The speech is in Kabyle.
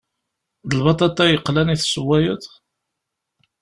D lbaṭaṭa yeqlan i tessewwayeḍ?